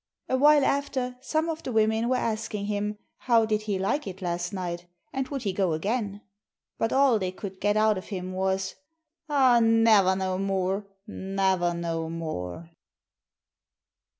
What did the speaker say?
Awhile after some of the women were asking him, how did he like it last night, and would he go again? But all they could get out of him was: 'Aw, naver no more, naver no more!'